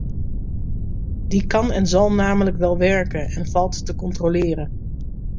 Die kan en zal namelijk wel werken en valt te controleren.